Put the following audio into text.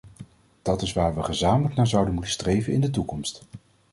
Dat is waar we gezamenlijk naar zouden moeten streven in de toekomst.